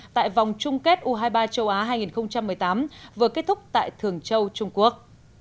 tại vòng chung kết u hai mươi ba châu á hai nghìn một mươi tám vừa kết thúc tại thường châu trung quốc